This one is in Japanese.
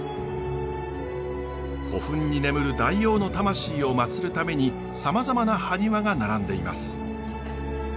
古墳に眠る大王の魂を祭るためにさまざまなハニワが並んでいます。